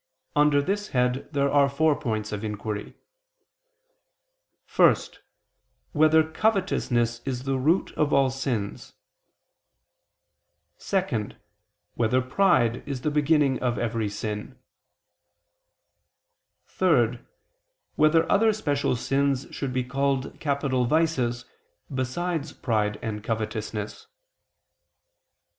Under this head there are four points of inquiry: (1) Whether covetousness is the root of all sins? (2) Whether pride is the beginning of every sin? (3) Whether other special sins should be called capital vices, besides pride and covetousness?